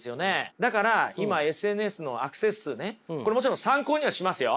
だから今ＳＮＳのアクセス数ねこれもちろん参考にはしますよ。